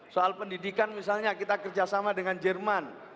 soal pendidikan misalnya kita kerjasama dengan jerman